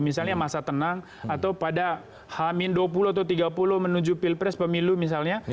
misalnya masa tenang atau pada hamin dua puluh atau tiga puluh menuju pilpres pemilu misalnya